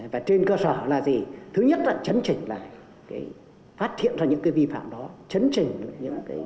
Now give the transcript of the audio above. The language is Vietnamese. và trên cơ sở là gì thứ nhất là chấn trình lại phát hiện ra những cái vi phạm đó chấn trình những cái